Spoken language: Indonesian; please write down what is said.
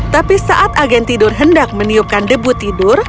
tapi saat agen tidur hendak meniupkan debu tidur